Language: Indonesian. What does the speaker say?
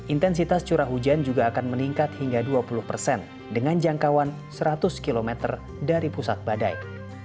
intensitas curah hujan juga akan meningkat hingga dua puluh persen dengan jangkauan seratus km dari pusat badai